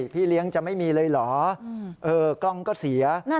พี่เลี้ยงจะไม่มีเลยเหรอกล้องก็เสีย